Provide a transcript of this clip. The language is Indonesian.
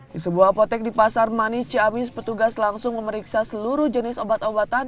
di sebuah apotek di pasar manis ciamis petugas langsung memeriksa seluruh jenis obat obatan